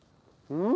うん。